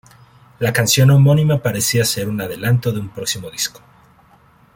La canción homónima parecía ser un adelanto de un próximo disco.